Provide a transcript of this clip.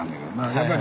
やっぱり。